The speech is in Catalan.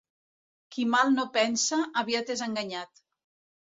Qui mal no pensa, aviat és enganyat.